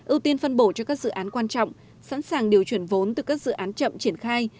ưu tiên phân bổ cho các dự án quan trọng sẵn sàng điều chuyển vốn từ các dự án chậm triển khai